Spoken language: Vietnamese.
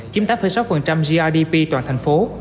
chiếm tám sáu grdp toàn thành phố